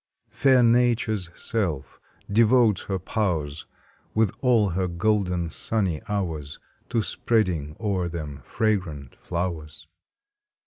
Fair Nature s self devotes her powers With all her golden sunny hours To spreading o er them fragrant flowers.